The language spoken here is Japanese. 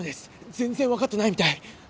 全然わかってないみたい。